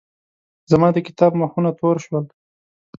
زما د کتاب مخونه تور شول.